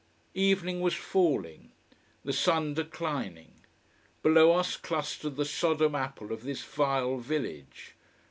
Evening was falling, the sun declining. Below us clustered the Sodom apple of this vile village.